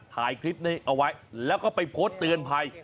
ถ่ายคลิปนี้เอาไว้แล้วก็ไปโพสต์เตือนภัย